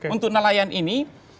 untuk nelayan ini